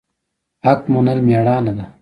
حق منل میړانه ده